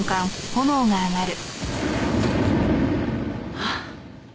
あっ。